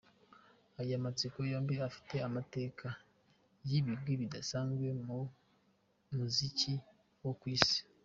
Aya matsinda yombi, afite amateka n’ibigwi bidasanzwe mu muziki wo ku Isi.